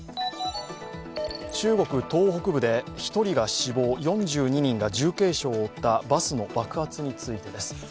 中国・東北部で１人が死亡４２人が重軽傷を負ったバスの爆発についてです。